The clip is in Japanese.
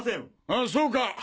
ああそうか。